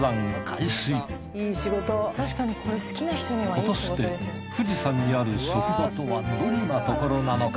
果たして富士山にある職場とはどんなところなのか？